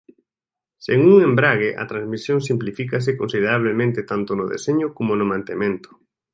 Sen un embrague a transmisión simplifícase considerablemente tanto no deseño como no mantemento.